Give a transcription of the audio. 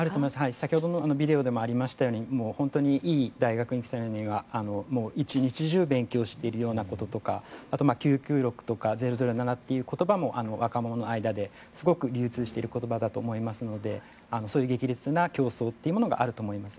先ほどのビデオでもありましたようにいい大学に行くためには１日中勉強しているようなこととか９９６とか００７という言葉も若者の間ですごく流通している言葉だと思いますのでそういう激烈な競争というものがあると思います。